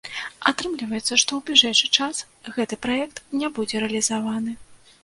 Атрымліваецца, што ў бліжэйшы час гэты праект не будзе рэалізаваны.